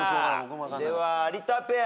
では有田ペア。